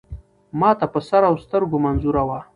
ما ته په سر اوسترګو منظور وه .